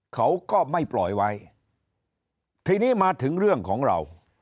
เขาก็ไม่ปล่อยไว้ทีนี้มาถึงเรื่องของเรา